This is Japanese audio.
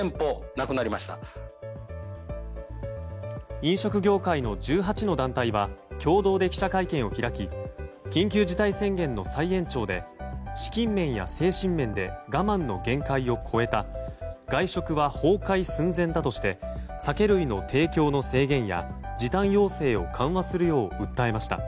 飲食業界の１８の団体は共同で記者会見を開き緊急事態宣言の再延長で資金面や精神面で我慢の限界を超えた外食は崩壊寸前だとして酒類の提供の制限や時短要請を緩和するよう訴えました。